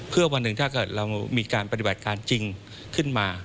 เพื่อวันหนึ่งถ้าเกิดเรามีการปฏิบัติการจริงขึ้นมา